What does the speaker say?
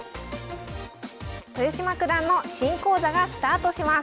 豊島九段の新講座がスタートします